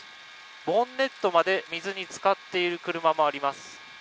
ボンネットまで水につかっている車もあります。